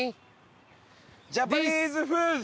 ジャパニーズフーズ！